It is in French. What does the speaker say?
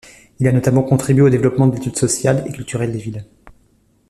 Il a notamment contribué au développement de l'étude sociale et culturelle des villes.